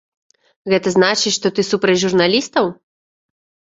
Гэта значыць, што ты супраць журналістаў?